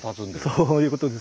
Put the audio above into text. そういうことです。